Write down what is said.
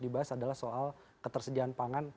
dibahas adalah soal ketersediaan pangan